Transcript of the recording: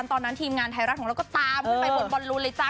ตอนนั้นทีมงานไทยรัฐของเราก็ตามขึ้นไปบนบอลลูนเลยจ้